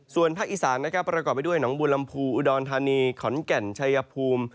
ส่วนภาคอีสานนะครับประกอบไปด้วยหนองบัวลำพูอุดรธานีขอนแก่นชัยภูมิ